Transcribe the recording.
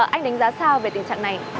anh đánh giá sao về tình trạng này